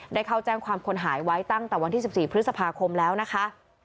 ได้เข้าแจ้งความคนหายไว้ตั้งแต่วันที่๑๔พฤษภาคมแล้วนะคะ